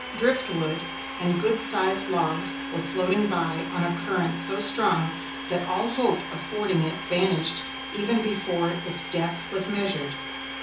Driftwood and good sized logs were floating by on a current so strong that all hope of fording it vanished even before its depth was measured.